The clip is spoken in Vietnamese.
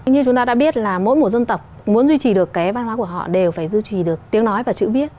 như chúng ta đã biết là mỗi một dân tộc muốn duy trì được cái văn hóa của họ đều phải duy trì được tiếng nói và chữ viết